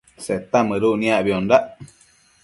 Seta mëduc niacbiondac